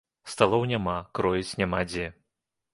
Сталоў няма, кроіць няма дзе.